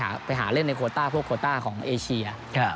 ไปหาเล่นในโคต้าพวกโคต้าของเอเชีย